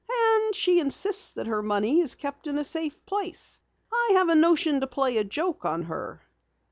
"And she insists that her money is kept in a safe place! I have a notion to play a joke on her."